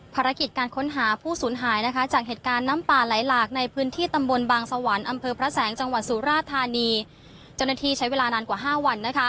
ภารกิจการค้นหาผู้สูญหายจังแห่งเหตุการณ์